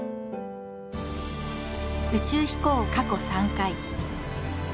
宇宙飛行過去３回。